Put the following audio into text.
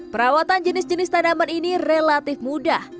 perawatan jenis jenis tanaman ini relatif mudah